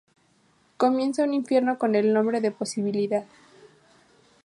Comienza un infierno con el nombre de posibilidad.